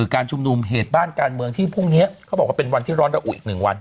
การชุมนุมเหตุบ้านการเมืองที่พรุ่งนี้เขาบอกว่าเป็นวันที่ร้อนระอุอีก๑วัน